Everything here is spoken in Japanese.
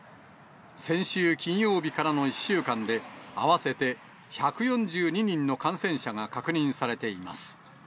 先週金曜日からの１週間で、合わせて１４２人の感染者が確認されています。